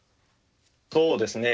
そうですね。